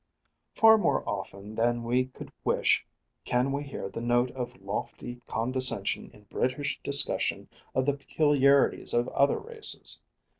Far more often than we could wish can we hear the note of lofty condescension in British discussion of the peculiarities of other races.